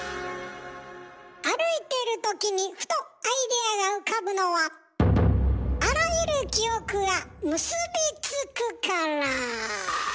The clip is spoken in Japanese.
歩いているときにふとアイデアが浮かぶのはあらゆる記憶が結びつくから。